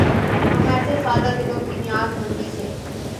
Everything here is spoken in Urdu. ہم ایسے سادہ دلوں کی نیاز مندی سے